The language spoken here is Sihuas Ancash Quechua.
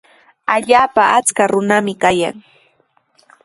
Allaapa achka runami kayan.